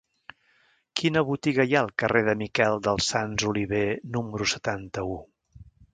Quina botiga hi ha al carrer de Miquel dels Sants Oliver número setanta-u?